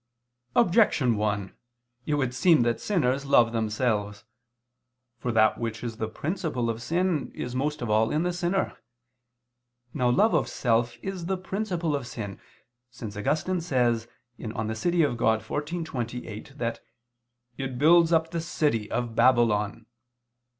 Objection 1: It would seem that sinners love themselves. For that which is the principle of sin, is most of all in the sinner. Now love of self is the principle of sin, since Augustine says (De Civ. Dei xiv, 28) that it "builds up the city of Babylon."